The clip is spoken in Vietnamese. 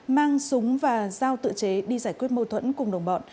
mang súng và giao tự chế đi giải quyết mâu thuẫn cùng đồng bọn